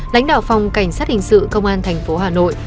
lãnh đạo phòng cảnh sát hình sự công an thành phố hà nội